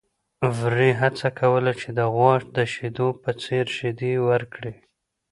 وري هڅه کوله چې د غوا د شیدو په څېر شیدې ورکړي.